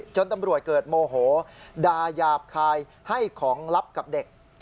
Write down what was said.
ตำรวจเกิดโมโหดายาบคายให้ของลับกับเด็ก